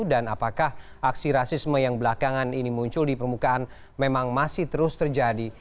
apakah aksi rasisme yang belakangan ini muncul di permukaan memang masih terus terjadi